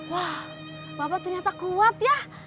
wah bapak ternyata kuat ya